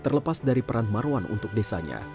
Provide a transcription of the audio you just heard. terlepas dari peran marwan untuk desanya